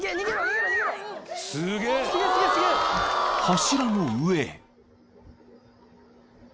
［柱の上へ］